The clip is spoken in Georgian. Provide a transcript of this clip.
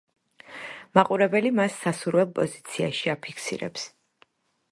მაყურებელი მას სასურველ პოზიციაში აფიქსირებს.